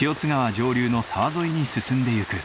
上流の沢沿いに進んでいく。